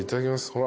ほら。